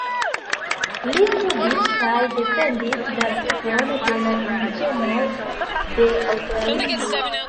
Li studis kaj defendis la vivon de la indiĝenoj de Aŭstralio.